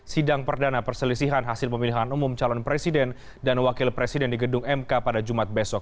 sidang perdana perselisihan hasil pemilihan umum calon presiden dan wakil presiden di gedung mk pada jumat besok